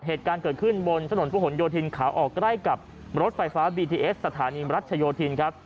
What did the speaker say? เหตุการณ์เกิดขึ้นบนถนนผู้หลโยธินขาออกใกล้กับรถไฟฟ้าบีทีเอสสถานีรัชโยธินครับ